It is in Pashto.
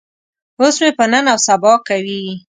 اوس مې په نن او سبا کوي.